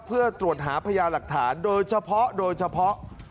เพื่อตรวจหาพยาหลักฐานโดยเฉพาะโดยเฉพาะ